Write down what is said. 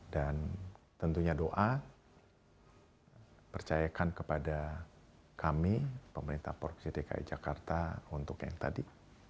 dan tentunya doa percayakan kepada kami pemerintah provinsi dki jakarta untuk yang tadi